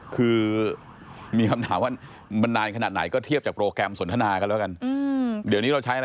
คือมีคำถามว่ามันนานขนาดไหนก็เทียบโปรแกรมสนทนาแล้วกัน